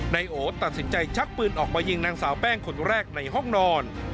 นายโอตัดสินใจชักปืนออกมายิงนางสาวแป้งคนแรกในห้องนอน